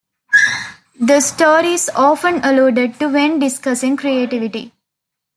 The story is often alluded to when discussing creativity.